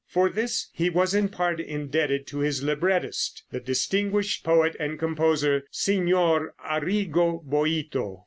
For this he was in part indebted to his librettist, the distinguished poet and composer, Signor Arrigo Boito.